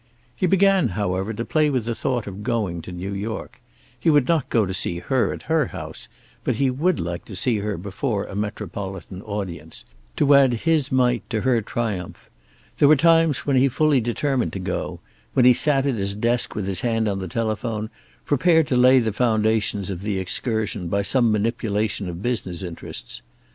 He began, however, to play with the thought of going to New York. He would not go to see her at her house, but he would like to see her before a metropolitan audience, to add his mite to her triumph. There were times when he fully determined to go, when he sat at his desk with his hand on the telephone, prepared to lay the foundations of the excursion by some manipulation of business interests.